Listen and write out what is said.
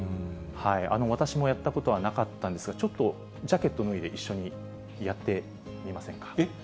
私もやったことはなかったんですが、ちょっとジャケット脱いで、一緒にやってえっ？